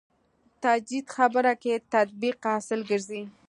تجدید خبره کې تطبیق حاصل ګرځي.